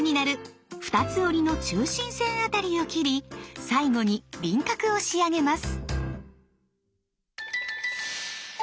２つ折りの中心線あたりを切り最後に輪郭を仕上げます。